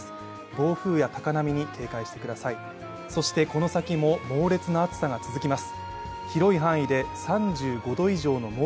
暴風や高波に警戒してください、そしてこの先も猛烈な暑さが続きます。